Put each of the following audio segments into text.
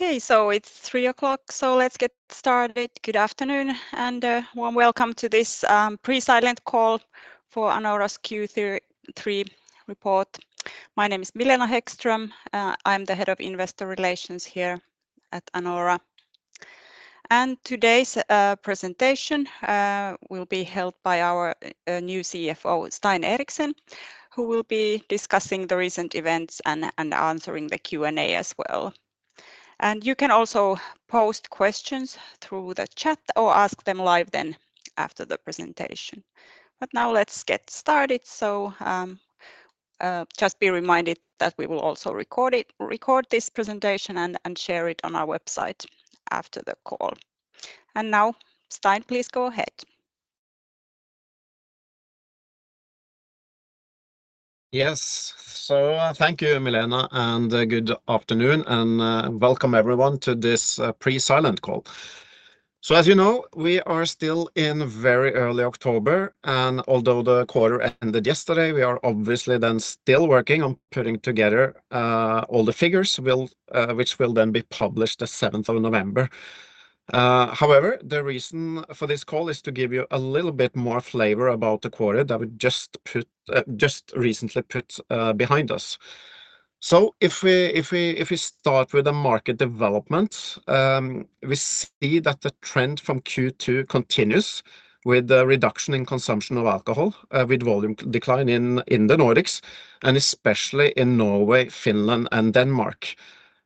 Okay, so it's 3:00 P.M., so let's get started. Good afternoon, and warm welcome to this pre-silent call for Anora's Q3 report. My name is Milena Häggström. I'm the Head of Investor Relations here at Anora. Today's presentation will be held by our new CFO, Stein Eriksen, who will be discussing the recent events and answering the Q&A as well. You can also post questions through the chat or ask them live then after the presentation. But now let's get started. Just be reminded that we will also record this presentation and share it on our website after the call. Now, Stein, please go ahead. Yes. So, thank you, Milena, and good afternoon, and welcome everyone to this pre-silent call. So as you know, we are still in very early October, and although the quarter ended yesterday, we are obviously then still working on putting together all the figures, which will then be published the 7th of November. However, the reason for this call is to give you a little bit more flavor about the quarter that we just recently put behind us. So if we start with the market development, we see that the trend from Q2 continues with the reduction in consumption of alcohol, with volume decline in the Nordics, and especially in Norway, Finland, and Denmark.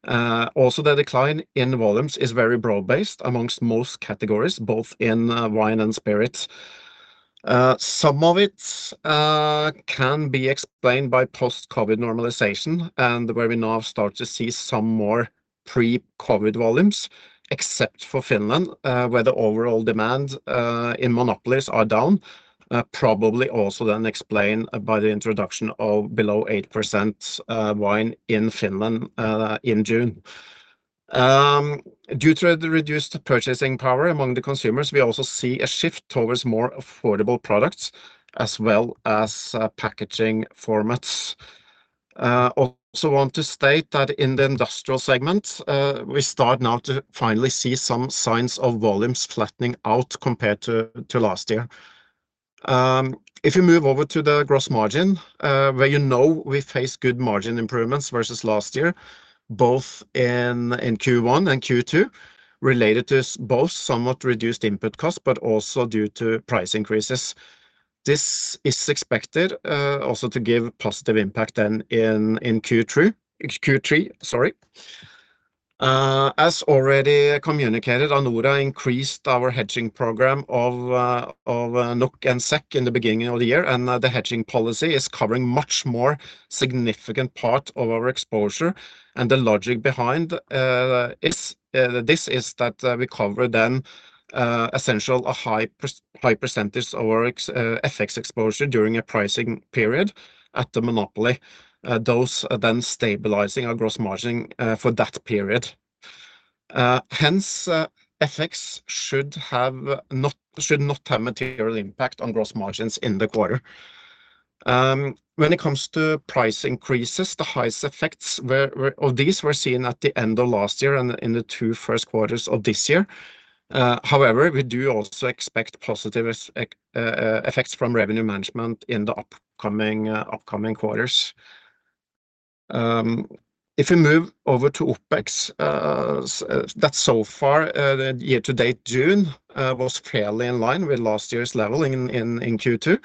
Also, the decline in volumes is very broad-based amongst most categories, both in wine and spirits. Some of it can be explained by post-COVID normalization, and where we now start to see some more pre-COVID volumes, except for Finland, where the overall demand in monopolies are down. Probably also then explained by the introduction of below 8% wine in Finland in June. Due to the reduced purchasing power among the consumers, we also see a shift towards more affordable products as well as packaging formats. Also want to state that in the industrial segment, we start now to finally see some signs of volumes flattening out compared to last year. If you move over to the gross margin, where you know we face good margin improvements versus last year, both in Q1 and Q2, related to both somewhat reduced input costs, but also due to price increases. This is expected also to give positive impact then in Q3. As already communicated, Anora increased our hedging program of NOK and SEK in the beginning of the year, and the hedging policy is covering much more significant part of our exposure. And the logic behind is this: that we cover then essentially a high percentage of our FX exposure during a pricing period at the monopoly. Those are then stabilizing our gross margin for that period. Hence, FX should not have material impact on gross margins in the quarter. When it comes to price increases, the highest effects were. Of these were seen at the end of last year and in the two first quarters of this year. However, we do also expect positive effects from revenue management in the upcoming quarters. If we move over to OpEx, so far, year to date, June, was fairly in line with last year's level in Q2,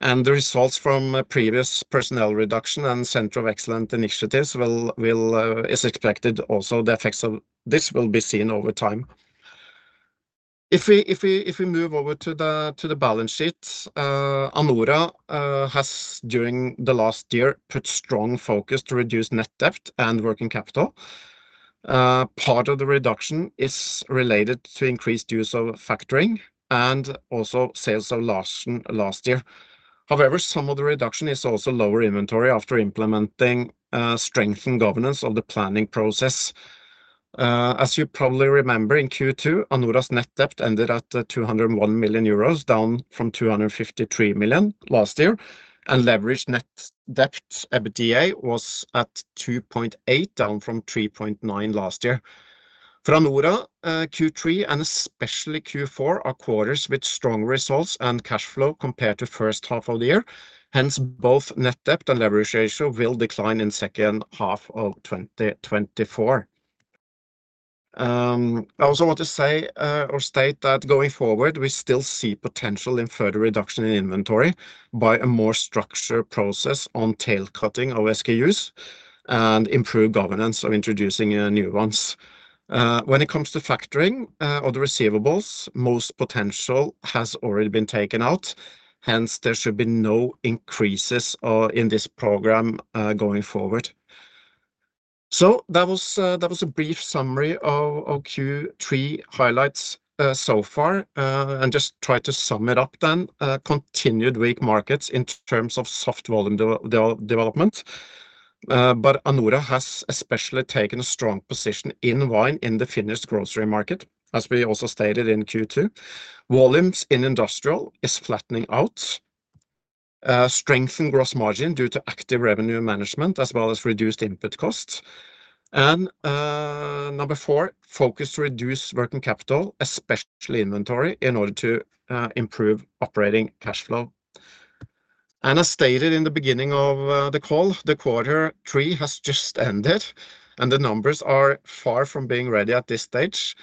and the results from a previous personnel reduction and Centre of Excellence initiatives will is expected also, the effects of this will be seen over time. If we move over to the balance sheet, Anora has, during the last year, put strong focus to reduce net debt and working capital. Part of the reduction is related to increased use of factoring and also sales of last year. However, some of the reduction is also lower inventory after implementing strength and governance of the planning process. As you probably remember, in Q2, Anora's net debt ended at 201 million euros, down from 253 million last year, and leverage net debt EBITDA was at 2.8, down from 3.9 last year. For Anora, Q3, and especially Q4, are quarters with strong results and cash flow compared to first half of the year. Hence, both net debt and leverage ratio will decline in second half of 2024. I also want to say, or state that going forward, we still see potential in further reduction in inventory by a more structured process on tail cutting of SKUs and improved governance of introducing new ones. When it comes to factoring, or the receivables, most potential has already been taken out, hence there should be no increases in this program going forward. So that was a brief summary of Q3 highlights so far, and just try to sum it up then. Continued weak markets in terms of soft volume development, but Anora has especially taken a strong position in wine in the Finnish grocery market, as we also stated in Q2. Volumes in industrial is flattening out. Strengthen gross margin due to active revenue management, as well as reduced input costs. Number four, focus to reduce working capital, especially inventory, in order to improve operating cash flow. As stated in the beginning of the call, the quarter three has just ended, and the numbers are far from being ready at this stage.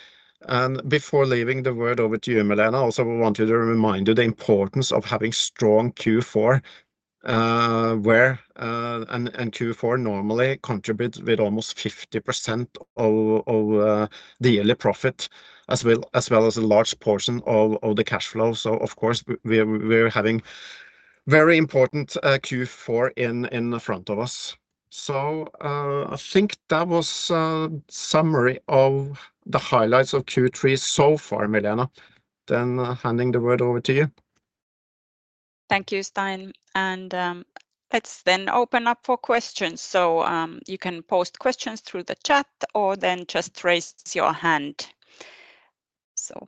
Before leaving the word over to you, Milena, I also wanted to remind you the importance of having strong Q4, where Q4 normally contributes with almost 50% of the yearly profit, as well as a large portion of the cash flow. Of course, we're having very important Q4 in front of us. I think that was a summary of the highlights of Q3 so far, Milena. Handing the word over to you. Thank you, Stein. And, let's then open up for questions. So, you can post questions through the chat or then just raise your hand. So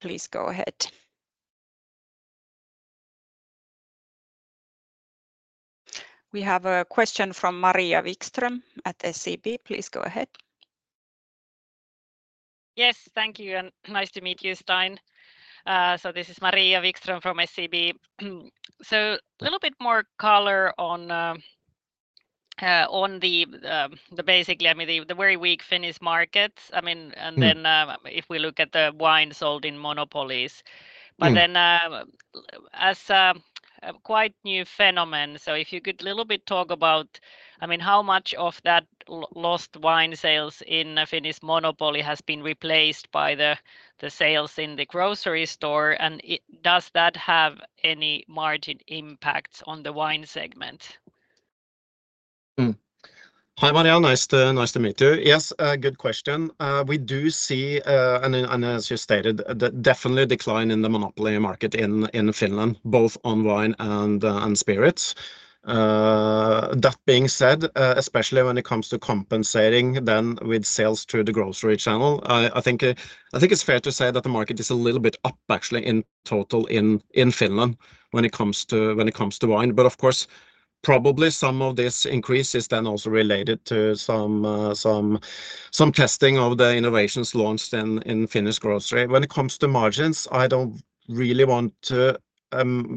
please go ahead. We have a question from Maria Wikström at SEB. Please go ahead. Yes, thank you, and nice to meet you, Stein. So this is Maria Wikström from SEB. So a little bit more color on the basically, I mean, the very weak Finnish markets. I mean. Mm. And then, if we look at the wine sold in monopolies. Mm. But then, as a quite new phenomenon, so if you could little bit talk about, I mean, how much of that lost wine sales in a Finnish monopoly has been replaced by the sales in the grocery store, and does that have any margin impacts on the wine segment? Hi, Maria. Nice to, nice to meet you. Yes, good question. We do see, and as you stated, the definite decline in the monopoly market in Finland, both on wine and spirits. That being said, especially when it comes to compensating then with sales through the grocery channel, I think it's fair to say that the market is a little bit up, actually, in total in Finland when it comes to wine. But of course, probably some of this increase is then also related to some testing of the innovations launched in Finnish grocery. When it comes to margins, I don't really want to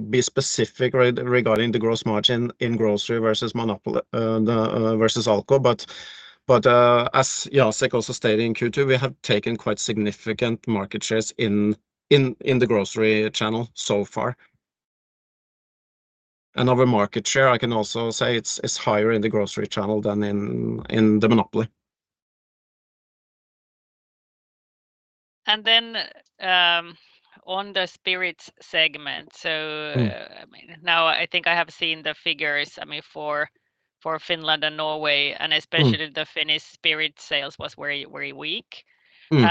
be specific regarding the gross margin in grocery versus monopoly versus Alko. As Jacek also stated in Q2, we have taken quite significant market shares in the grocery channel so far, and our market share, I can also say, it's higher in the grocery channel than in the monopoly. And then, on the spirits segment. Mm. I mean, now I think I have seen the figures, I mean, for Finland and Norway- Mm. And especially the Finnish spirits sales was very, very weak. Mm.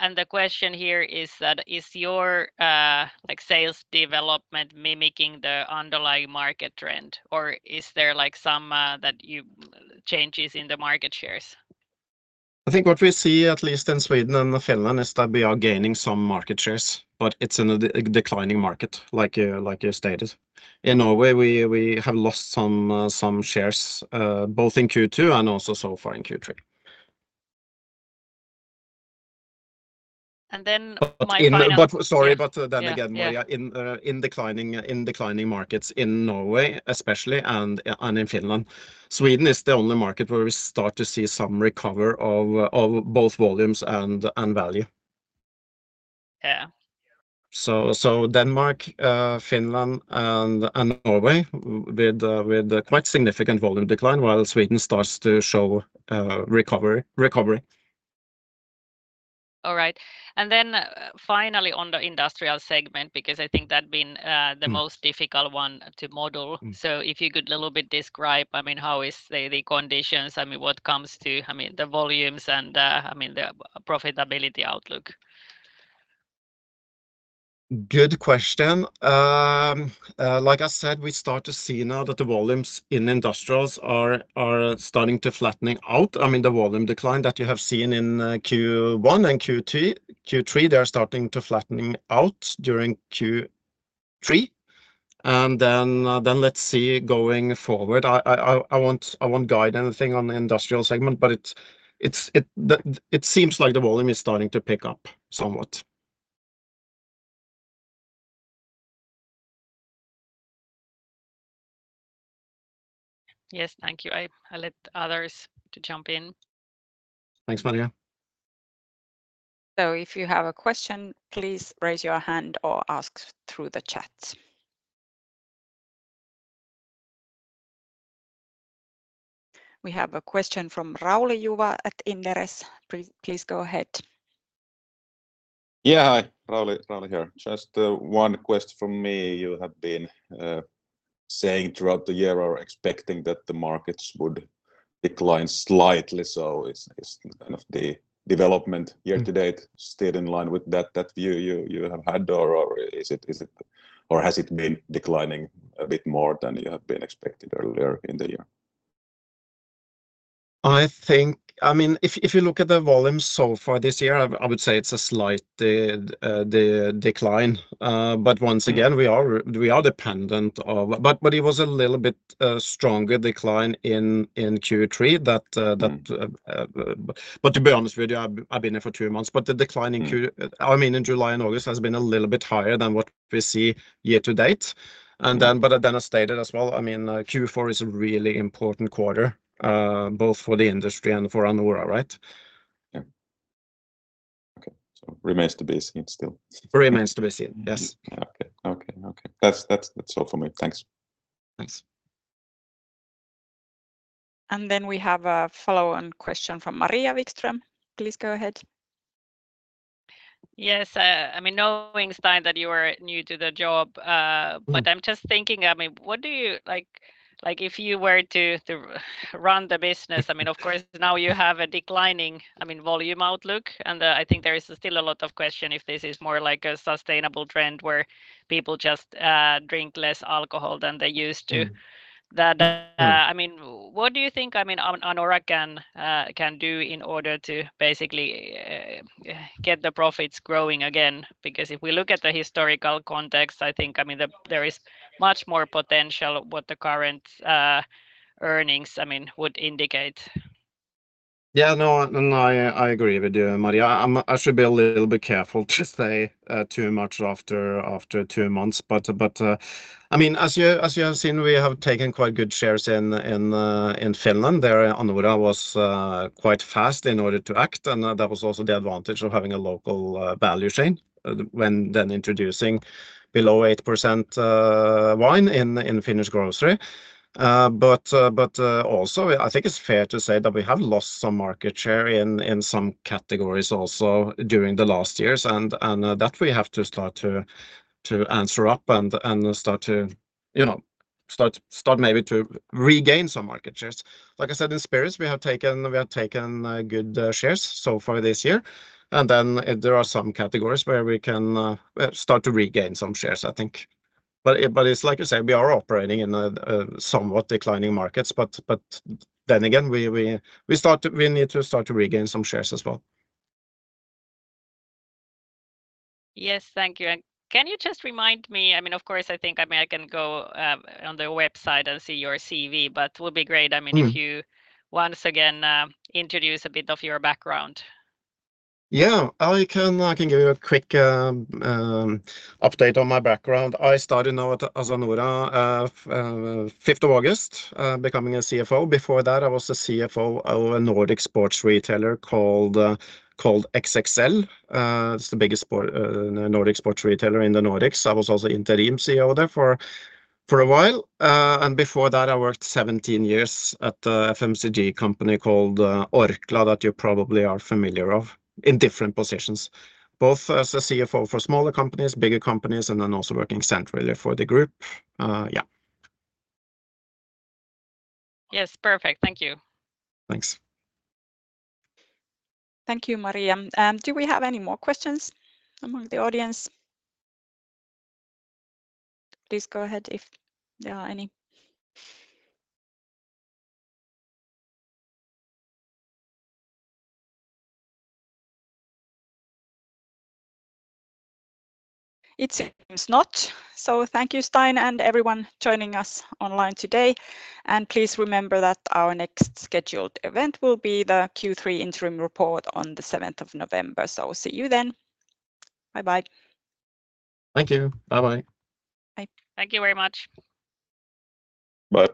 And the question here is that, is your like sales development mimicking the underlying market trend, or is there like some that your changes in the market shares? I think what we see, at least in Sweden and Finland, is that we are gaining some market shares, but it's in a declining market, like you stated. In Norway, we have lost some shares, both in Q2 and also so far in Q3. And then my final. But sorry, but then again. Yeah, yeah. Maria, in declining markets, in Norway especially, and in Finland. Sweden is the only market where we start to see some recovery of both volumes and value. Yeah. So, Denmark, Finland, and Norway with quite significant volume decline, while Sweden starts to show recovery. All right. And then finally, on the industrial segment, because I think that been, the most- Mm. Difficult one to model. Mm. So if you could a little bit describe, I mean, how is the conditions, I mean, when it comes to, I mean, the volumes and, I mean, the profitability outlook? Good question. Like I said, we start to see now that the volumes in industrial are starting to flattening out. I mean, the volume decline that you have seen in Q1 and Q3, they are starting to flattening out during Q3. And then, then let's see going forward. I won't guide anything on the industrial segment, but it seems like the volume is starting to pick up somewhat. Yes, thank you. I let others to jump in. Thanks, Maria. So if you have a question, please raise your hand or ask through the chat. We have a question from Rauli Juva at Inderes. Please go ahead. Yeah, hi. Rauli, Rauli here. Just, one question from me. You have been saying throughout the year or expecting that the markets would decline slightly, so it's kind of the development year to date stayed in line with that view you have had, or is it, or has it been declining a bit more than you have been expecting earlier in the year? I think, I mean, if you look at the volumes so far this year, I would say it's a slight decline. But once again, but it was a little bit stronger decline in Q3 that. But to be honest with you, I've been here for two months, but the decline in, I mean, in July and August has been a little bit higher than what we see year to date. And then, but as then as stated as well, I mean, Q4 is a really important quarter both for the industry and for Anora, right? Yeah. Okay, so remains to be seen still. Remains to be seen, yes. Okay. That's all for me. Thanks. Thanks. And then we have a follow-on question from Maria Wikström. Please go ahead. Yes, I mean, knowing, Stein, that you are new to the job. Mm. But I'm just thinking, I mean, what do you, like, if you were to run the business, I mean, of course, now you have a declining, I mean, volume outlook, and I think there is still a lot of question if this is more like a sustainable trend where people just drink less alcohol than they used to. That, I mean, what do you think, I mean, Anora can do in order to basically get the profits growing again? Because if we look at the historical context, I think, I mean, there is much more potential what the current earnings, I mean, would indicate. Yeah, no, no, I agree with you, Maria. I should be a little bit careful to say too much after two months, but I mean, as you have seen, we have taken quite good shares in Finland. There Anora was quite fast in order to act, and that was also the advantage of having a local value chain when then introducing below 8% wine in Finnish grocery. But also, I think it's fair to say that we have lost some market share in some categories also during the last years, and that we have to start to answer up and start to, you know, maybe regain some market shares. Like I said, in spirits, we have taken good shares so far this year. And then there are some categories where we can start to regain some shares, I think. But it's like I said, we are operating in a somewhat declining markets, but then again, we start to... We need to start to regain some shares as well. Yes. Thank you. And can you just remind me, I mean, of course, I think, I mean, I can go on the website and see your CV, but would be great, I mean. Mm. If you once again, introduce a bit of your background. Yeah, I can give you a quick update on my background. I started now at Anora 5th of August becoming a CFO. Before that, I was the CFO of a Nordic sports retailer called XXL. It's the biggest sports retailer in the Nordics. I was also interim CEO there for a while, and before that, I worked seventeen years at a FMCG company called Orkla that you probably are familiar of, in different positions, both as a CFO for smaller companies, bigger companies, and then also working centrally for the group. Yeah. Yes, perfect. Thank you. Thanks. Thank you, Maria. Do we have any more questions among the audience? Please go ahead if there are any. It seems not. So thank you, Stein, and everyone joining us online today, and please remember that our next scheduled event will be the Q3 interim report on the 7th of November. So see you then. Bye-bye. Thank you. Bye-bye. Bye. Thank you very much. Bye.